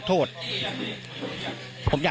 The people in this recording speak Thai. กลุ่มวัยรุ่นกลัวว่าจะไม่ได้รับความเป็นธรรมทางด้านคดีจะคืบหน้า